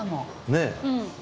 ねえ。